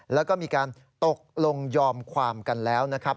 แล้วก็มีการตกลงยอมความกันแล้วนะครับ